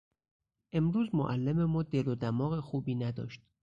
امروز معلم ما دل و دماغ خوبی نداشت.